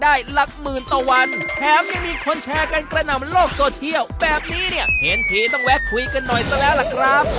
แบบนี้เนี่ยเห็นทีต้องแวะคุยกันหน่อยซะแล้วล่ะครับ